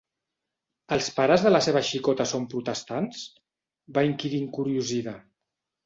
¿els pares de la seva xicota són protestants?, va inquirir encuriosida.